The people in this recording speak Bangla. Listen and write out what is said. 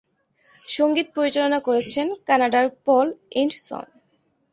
সঙ্গীত পরিচালনা করেছেন কানাডার পল ইন্টসন।